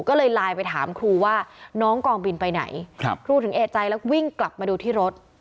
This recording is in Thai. ก็เลยไลน์ไปถามครูว่าน้องกองบินไปไหนครูถึงเอกใจแล้ววิ่งกลับมาดูที่รถ